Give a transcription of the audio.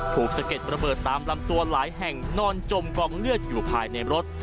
สะเก็ดระเบิดตามลำตัวหลายแห่งนอนจมกองเลือดอยู่ภายในรถ